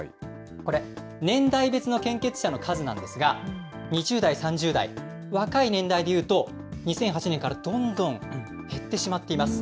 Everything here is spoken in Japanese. これ、年代別の献血者の数なんですが、２０代、３０代、若い年代でいうと、２００８年からどんどん減ってしまっています。